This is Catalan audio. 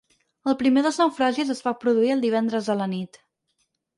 El primer dels naufragis es va produir el divendres a la nit.